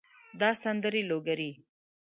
دا سندرې لوګري